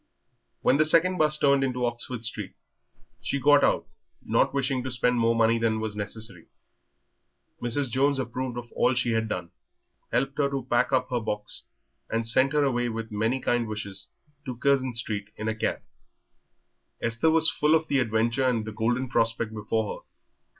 When the second 'bus turned into Oxford Street she got out, not wishing to spend more money than was necessary. Mrs. Jones approved of all she had done, helped her to pack up her box, and sent her away with many kind wishes to Curzon Street in a cab. Esther was full of the adventure and the golden prospect before her.